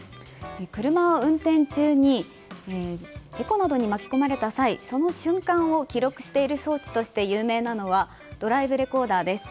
車を運転中に事故などに巻き込まれた際その瞬間を記録している装置として有名なのはドライブレコーダーです。